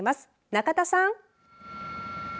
中田さん。